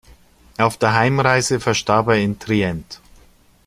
Auf der Heimreise verstarb er in Trient.